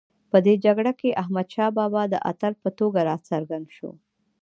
په دې جګړه کې احمدشاه بابا د اتل په توګه راڅرګند شو.